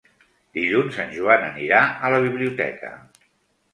Dilluns en Joan anirà a la biblioteca.